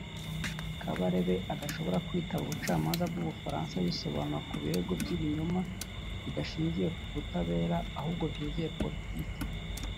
Kabarebe adashobora kwitaba ubucamanza bw’u Bufaransa yisobanure ku birego by’ibinyoma bidashingiye ku butabera ahubwo byuzuye politiki